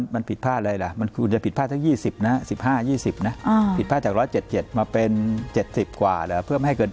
มันผิดพลาดอะไรล่ะมันควรจะผิดพลาดทั้ง๒๐นะ๑๕๒๐นะผิดพลาดจาก๑๗๗มาเป็น๗๐กว่าเหรอเพื่อไม่ให้เกิน